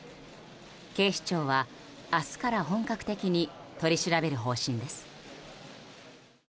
警視庁は明日から本格的に取り調べる方針です。